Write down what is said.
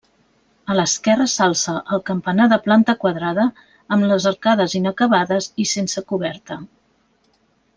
A l'esquerra s'alça el campanar de planta quadrada amb les arcades inacabades i sense coberta.